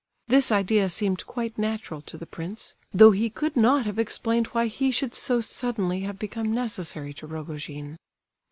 This idea seemed quite natural to the prince, though he could not have explained why he should so suddenly have become necessary to Rogojin.